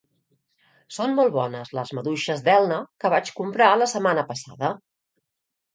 Són molt bones les maduixes d'Elna que vaig comprar la setmana passada